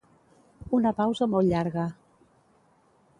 Una pausa molt llarga.